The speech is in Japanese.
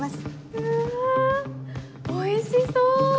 うわおいしそう！